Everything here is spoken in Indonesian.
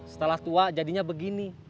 setelah tua jadinya begini